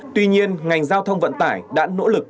tuy nhiên ngành giao thông vận tải đã nỗ lực